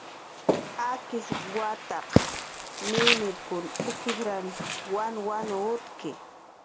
Akish wataq niwniriq uk ijrnaq wanwaniw utki